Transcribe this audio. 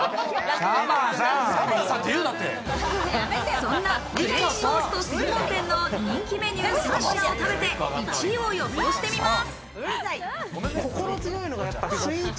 そんなフレンチトースト専門店の人気メニュー３品を食べて１位を予想してみます。